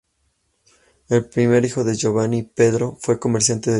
El primer hijo de Giovanni, Pedro, fue comerciante de telas.